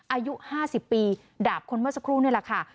อายุ๕๐ปีดาบคนเมื่อสักครู่นี่แหละค่ะ